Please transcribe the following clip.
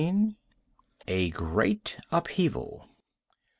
A Great Upheaval.